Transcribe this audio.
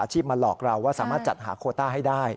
มาหลอกเราว่าสามารถจัดหาโคต้าให้ได้